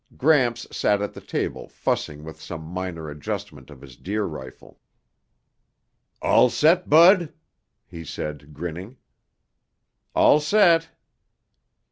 Gramps sat at the table fussing with some minor adjustment of his deer rifle. "All set, Bud?" he said, grinning. "All set."